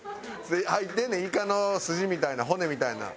入ってんねんイカの筋みたいな骨みたいなの。